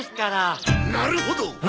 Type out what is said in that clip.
なるほど！